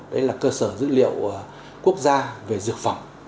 đấy là cơ sở dữ liệu quốc gia về dược phẩm